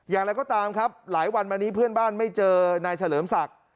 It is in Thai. อย่างไรก็ตามครับหลายวันมานี้เพื่อนบ้านไม่เจอนายเฉลิมศักดิ์